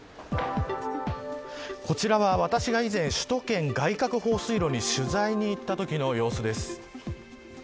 こちらは私が以前首都圏外郭放水路に取材に行ったときの様子です。